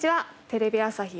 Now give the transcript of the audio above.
テレビ朝日